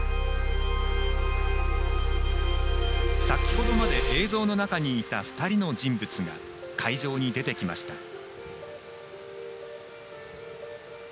先ほどまで映像の中にいた２人の人物が会場に出てきました。